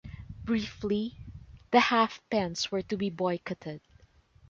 Briefly, the half-pence were to be boycotted.